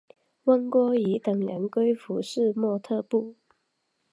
翁郭依等人归附土默特部。